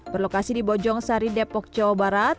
berlokasi di bojong sari depok jawa barat